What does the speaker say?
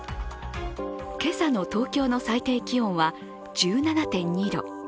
今朝の東京の最低気温は１７．２度。